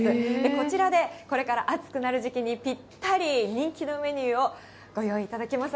こちらでこれから暑くなる時期にぴったり、人気のメニューをご用意いただきます。